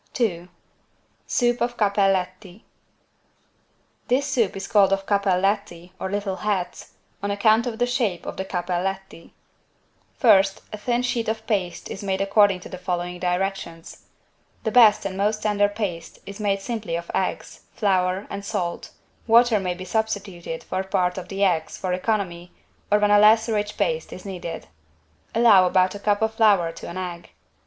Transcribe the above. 2 SOUP OF "CAPPELLETTI" This Soup is called of "=Cappelletti=" or "little hats" on account of the shape of the "=Cappelletti=". First a thin sheet of paste is made according to the following directions: The best and most tender paste is made simply of eggs, flour and salt, water may be substituted for part of the eggs, for economy, or when a less rich paste is needed. Allow about a cup of flour to an egg.